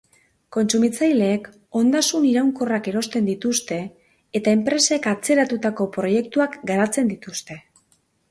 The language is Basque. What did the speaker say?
Kontsumitzaileek ondasun iraunkorrak erosten dituzte eta enpresek atzeratutako proiektuak garatzen dituzte.